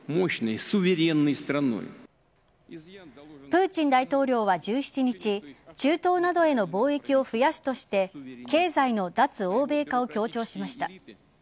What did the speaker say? プーチン大統領は１７日中東などへの貿易を増やすとして経済の脱欧米化を強調しました。